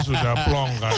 sudah plong kan